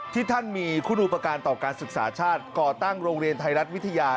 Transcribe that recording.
ที่ท่านมีคุณอุปการณ์ต่อการศึกษาชาติก่อตั้งโรงเรียนไทยรัฐวิทยา